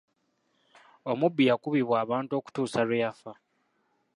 Omubbi yakubibwa abantu okutuusa lwe yafa.